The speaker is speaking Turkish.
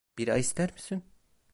Bira ister misin?